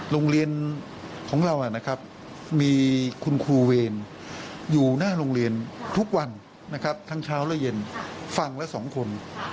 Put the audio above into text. โรงเรียนของเรานะครับมีคุณครูเวรอยู่หน้าโรงเรียนทุกวันนะครับทั้งเช้าและเย็นฟังแล้วสองคน